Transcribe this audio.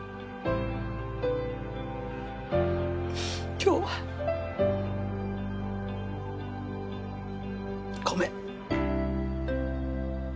今日はごめん。